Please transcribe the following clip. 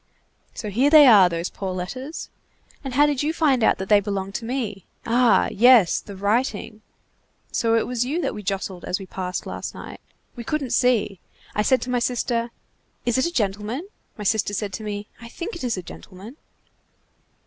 So here they are, those poor letters! And how did you find out that they belonged to me? Ah! yes, the writing. So it was you that we jostled as we passed last night. We couldn't see. I said to my sister: 'Is it a gentleman?' My sister said to me: 'I think it is a gentleman.